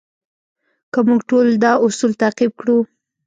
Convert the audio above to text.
که موږ ټول دا اصول تعقیب کړو.